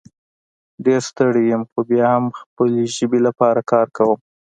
ډېر ستړی یم خو بیا هم د خپلې ژبې لپاره کار کوم